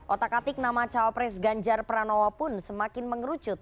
otak atik nama cawapres ganjar pranowo pun semakin mengerucut